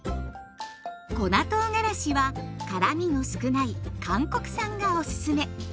粉とうがらしは辛みの少ない韓国産がおすすめ。